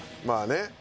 まあね。